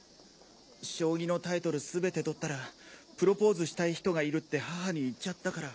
将棋のタイトル全て取ったらプロポーズしたい人がいるって母に言っちゃったから。